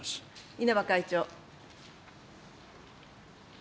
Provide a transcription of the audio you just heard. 稲葉会長。